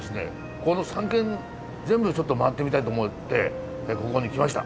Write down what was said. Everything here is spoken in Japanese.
この３軒全部ちょっと回ってみたいと思ってここに来ました。